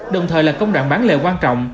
đồng thời là công đoạn bán lệ quan trọng